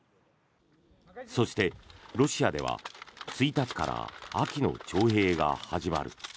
そして、ロシアでは１日から秋の徴兵が始まる。